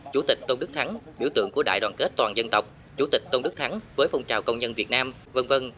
chủ tịch tôn đức thắng biểu tượng của đại đoàn kết toàn dân tộc chủ tịch tôn đức thắng với phong trào công nhân việt nam v v